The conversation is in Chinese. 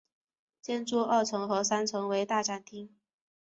建筑二层和三层为大展厅。